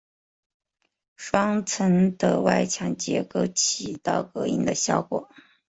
双层的外墙结构起到隔音的效果。